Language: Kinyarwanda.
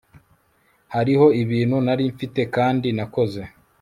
Hariho ibintu nari mfite kandi nakoze